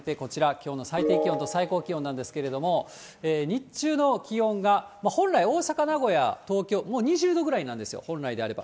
きょうの最低気温と最高気温なんですけれども、日中の気温が本来、大阪、名古屋、東京、もう２０度ぐらいなんですよ、本来であれば。